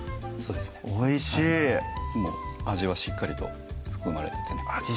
おいしいもう味はしっかりと含まれててね味